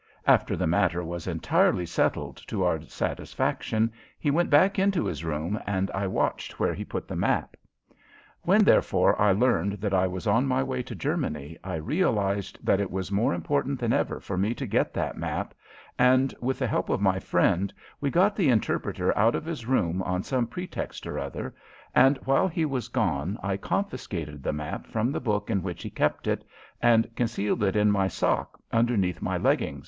After the matter was entirely settled to our satisfaction he went back into his room and I watched where he put the map. When, therefore, I learned that I was on my way to Germany I realized that it was more important than ever for me to get that map, and, with the help of my friend, we got the interpreter out of his room on some pretext or another, and while he was gone I confiscated the map from the book in which he kept it and concealed it in my sock underneath my legging.